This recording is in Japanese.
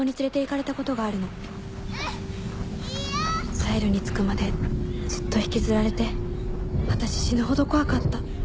サイロに着くまでずっと引きずられてあたし死ぬほど怖かった。